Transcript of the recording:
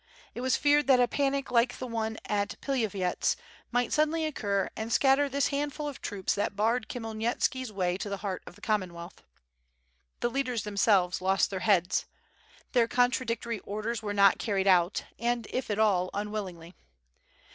It was feared that a panic like the one at Pilavyets might sud denly occur and scatter this handful of troops that barred Khmyelnitski's way to the heart of the Commonwealth. The leaders themselves lost their heads. Their contradictory orders were not carried out, and if at all, unwillingly.